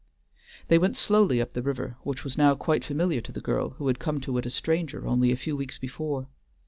They went slowly up the river, which was now quite familiar to the girl who had come to it a stranger only a few weeks before.